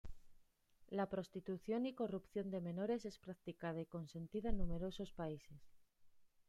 La Prostitución y corrupción de menores es practicada y consentida en numerosos países.